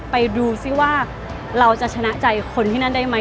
ไปดูซิว่าเราจะชนะใจคนที่นั่นได้ไหม